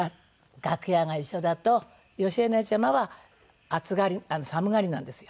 楽屋が一緒だと好重お姉ちゃまは暑がり寒がりなんですよ。